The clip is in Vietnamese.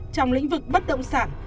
trong lĩnh vực bất động sản